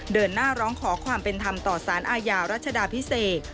เดินหน้าร้องขอความเป็นธรรมต่อสารอาญารัชดาพิเศษ